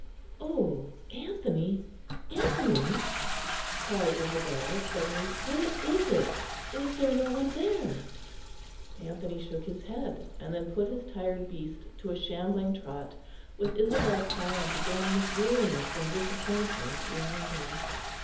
"Oh, Anthony, Anthony!" cried Isabel suddenly, "what is it? Is there no one there?" Anthony shook his head; and then put his tired beast to a shambling trot with Isabel silent again with weariness and disappointment behind him.